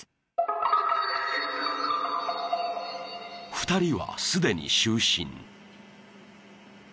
［２人はすでに就寝］